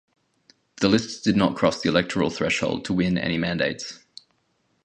The list did not cross the electoral threshold to win any mandates.